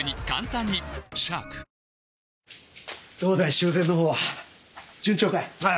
修繕のほうは順調かい？